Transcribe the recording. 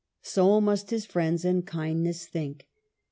' So must his friends in kindness think.